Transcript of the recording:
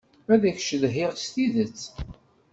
Ad k-cedhiɣ s tidet.